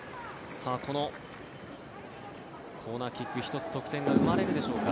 このコーナーキック１つ得点が生まれるでしょうか。